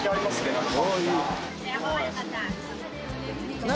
何か。